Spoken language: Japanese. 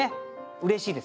うれしいです